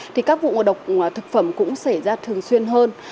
thì các vụ ngộ độc thực phẩm cũng xảy ra thường xuyên hơn